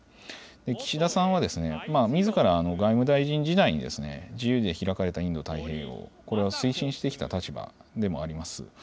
岸田さんは、みずから外務大臣時代に、自由で開かれたインド太平洋、これを推進してきた立場でもあります。